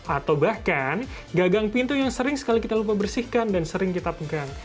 atau bahkan gagang pintu yang sering sekali kita lupa bersihkan dan sering kita pegang